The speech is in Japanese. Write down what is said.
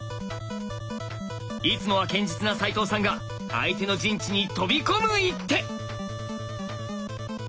いつもは堅実な齋藤さんが相手の陣地に飛び込む一手！